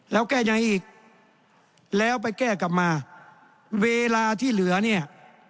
แล้วแก้ยังไงอีกแล้วไปแก้กลับมาเวลาที่เหลือเนี่ย